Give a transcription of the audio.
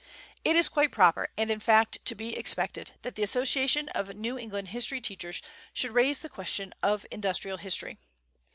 "It is quite proper, and in fact to be expected, that the Association of New England History Teachers should raise the question of industrial history.